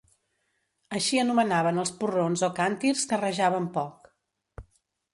Així anomenaven els porrons o càntirs que rajaven poc.